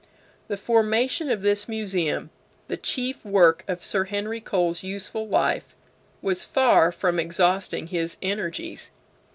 The formation of this Museum, the chief work of Sir Henry Cole's useful life, was far from exhausting his energies.